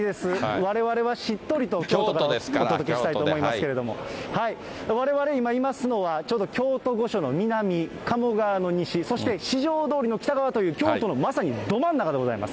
われわれはしっとりとお届けしたいと思いますけれども、われわれ今いますのは、ちょうど京都御所の南、かも川の西、そして四条通の北側という、京都のまさにど真ん中でございます。